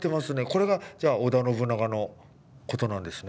これがじゃあ織田信長のことなんですね。